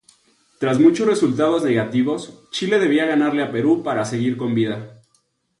Tras muchos resultados negativos Chile debía ganarle a Perú para seguir con vida.